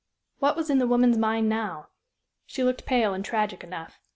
What was in the woman's mind now? She looked pale and tragic enough.